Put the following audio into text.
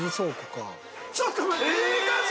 ちょっと待って！